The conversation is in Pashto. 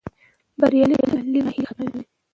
بریالی تعلیم ناهیلي ختموي.